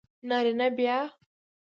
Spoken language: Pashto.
نارینه بیا